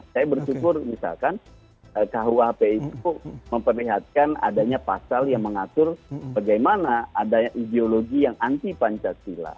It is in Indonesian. saya bersyukur misalkan kuhp itu memperlihatkan adanya pasal yang mengatur bagaimana adanya ideologi yang anti pancasila